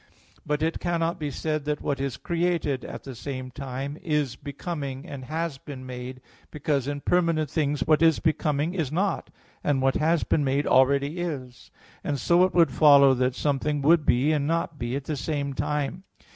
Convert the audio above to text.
But it cannot be said that what is created, at the same time, is becoming and has been made, because in permanent things what is becoming, is not, and what has been made, already is: and so it would follow that something would be, and not be, at the same time.